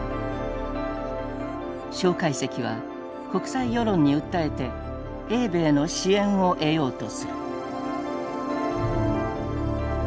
蒋介石は国際世論に訴えて英米の支援を得ようとする。